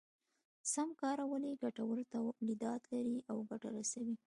سم کارول يې ګټور توليدات لري او ګټه رسوي.